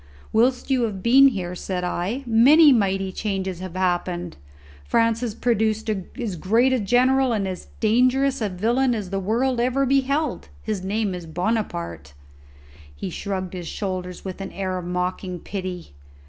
"Whilst you have been here," said I, "many mighty changes have happened. France has produced as great a general and as dangerous a villain as the world ever beheld; his name is Buonaparte." He shrugged his shoulders with an air of mocking pity.